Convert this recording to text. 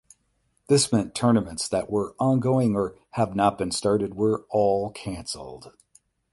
This meant tournaments that were ongoing or have not been started were all canceled.